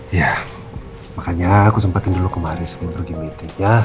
iya makanya aku sempatin dulu kemarin sebelum pergi meeting ya